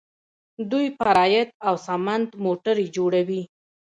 دوی پراید او سمند موټرې جوړوي.